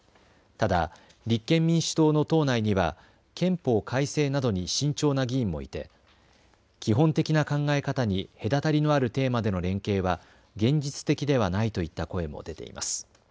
ただ立憲民主党の党内には憲法改正などに慎重な議員もいて基本的な考え方に隔たりのあるテーマでの連携は現実的ではないといった声も出ています。